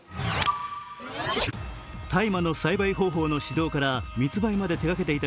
大麻の栽培方法の指導から密売まで手がけていた